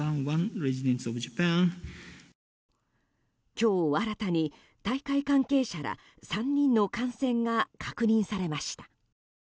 今日新たに大会関係者ら３人の感染が確認されました。